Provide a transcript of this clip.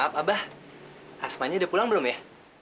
abah asmanya udah pulang belum ya